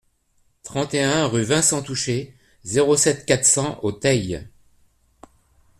trente et un rue Vincent Touchet, zéro sept, quatre cents au Teil